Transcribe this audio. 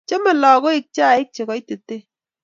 Chamei lagoik chaik che koititen